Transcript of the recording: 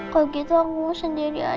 kalau gitu aku sendiri aja